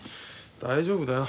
大丈夫だよ。